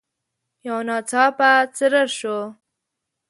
يو ناڅاپه څررر شو.